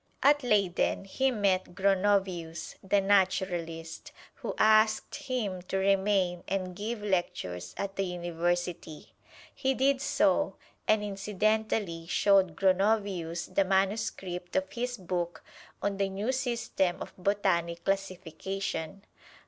At Leyden he met Gronovius, the naturalist, who asked him to remain and give lectures at the University. He did so, and incidentally showed Gronovius the manuscript of his book on the new system of botanic classification.